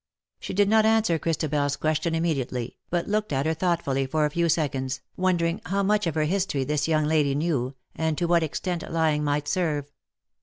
She did not answer Christabe?s question immediately, but looked at her thought fully for a few seconds, wondering how much of her history this young lady knew, and to what extent lying might serve.